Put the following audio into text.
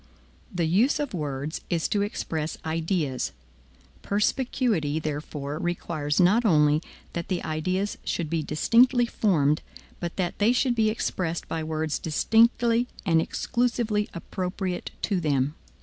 The use of words is to express ideas. Perspicuity, therefore, requires not only that the ideas should be distinctly formed, but that they should be expressed by words distinctly and exclusively appropriate to them.